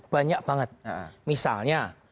banyak banget misalnya